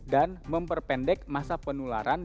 dan memperpendek masa penularan